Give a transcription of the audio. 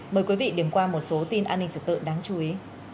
mời quý vị điểm qua một số tin an ninh trật tự đáng chú ý